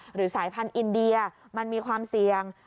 สายพันธุ์อินเดียมันมีความเสี่ยง